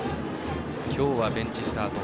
きょうはベンチスタート。